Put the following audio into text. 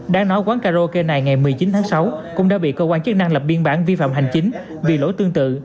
đáng nói quán karaoke này ngày một mươi chín tháng sáu cũng đã bị cơ quan chức năng lập biên bản vi phạm hành chính vì lỗi tương tự